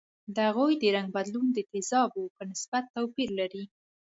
د هغوي د رنګ بدلون د تیزابو په نسبت توپیر لري.